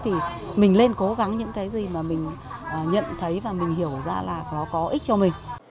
thì mình lên cố gắng những cái gì mà mình nhận thấy và mình hiểu ra là nó có ích cho mình